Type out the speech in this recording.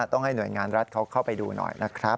ต้องให้หน่วยงานรัฐเขาเข้าไปดูหน่อยนะครับ